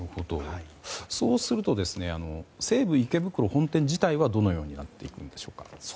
そうすると西武池袋本店自体はどのようになっていくんでしょうか。